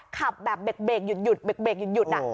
ขับแบบเบรกเบรกหยุดหยุดเบรกเบรกหยุดหยุดอ่ะ